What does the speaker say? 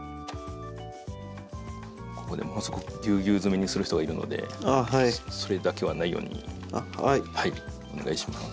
ここでものすごくぎゅうぎゅう詰めにする人がいるのでそれだけはないようにお願いします。